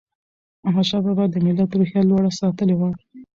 احمدشاه بابا د ملت روحیه لوړه ساتلې وه.